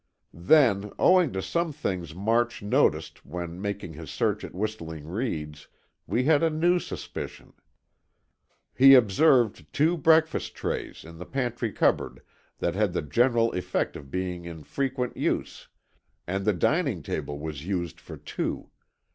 Then, owing to some things March noticed when making his search at Whistling Reeds, we had a new suspicion. He observed two breakfast trays, in the pantry cupboard, that had the general effect of being in frequent use and the dining table was used for two.